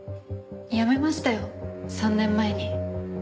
辞めましたよ３年前に。